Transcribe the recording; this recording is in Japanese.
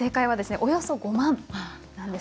およそ５万です。